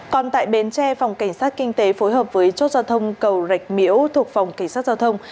còn tại bến tre phòng cảnh sát kinh tế phối hợp với chốt giao thông cầu rạch miễu thuộc phòng cảnh sát giao thông